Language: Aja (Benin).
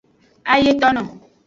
Ayetono.